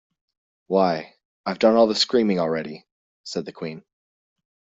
‘Why, I’ve done all the screaming already,’ said the Queen.